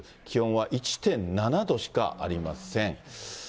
気温は１．７度しかありません。